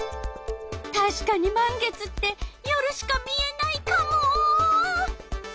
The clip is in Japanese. たしかに満月って夜しか見えないカモ！